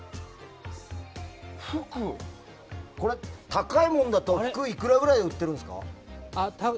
高いものだと服、いくらぐらいですか？